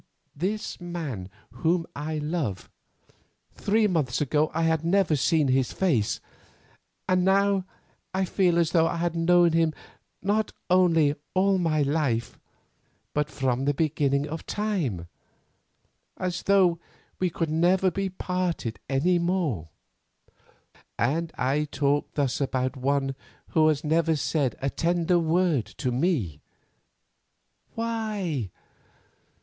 This man whom I love—three months ago I had never seen his face—and now I feel as though I had known him not only all my life, but from the beginning of time—as though we never could be parted any more. "And I talk thus about one who has never said a tender word to me. Why?